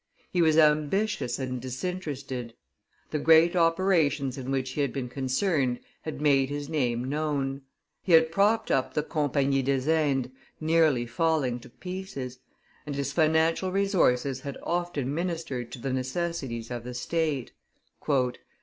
He was ambitious and disinterested. The great operations in which he had been concerned had made his name known. He had propped up the Compagnie des Indes nearly falling to pieces, and his financial resources had often ministered to the necessities of the State.